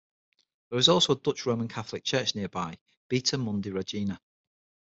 There is also a Dutch Roman Catholic church nearby - Beata Mundi Regina.